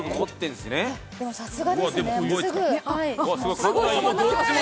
でもさすがですね、すぐ。